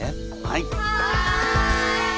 はい！